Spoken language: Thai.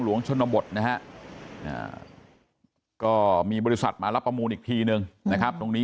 ชนบทนะฮะก็มีบริษัทมารับประมูลอีกทีนึงนะครับตรงนี้